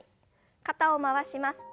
肩を回します。